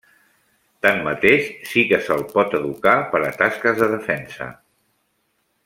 Tanmateix, sí que se'l pot educar per a tasques de defensa.